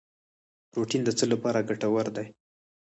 پروټین د څه لپاره ګټور دی